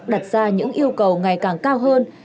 đặt ra những yêu cầu ngày càng cao hơn